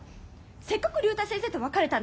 せっかく竜太先生と別れたんだもん